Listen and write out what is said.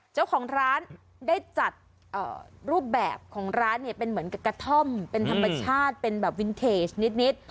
เจ้าของร้านได้จัดรูปแบบของร้านเนี่ยเป็นเหมือนกับกระท่อมเป็นธรรมชาติเป็นแบบวินเทจนิด